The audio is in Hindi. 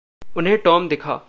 उन्हें टॉम दिखा।